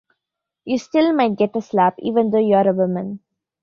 You still might get a slap even though you're a woman.